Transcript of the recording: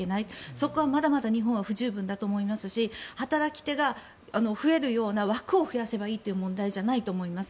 そこはまだまだ日本は不十分だと思いますし働き手が増えるような枠を増やせばいいという問題じゃないと思います。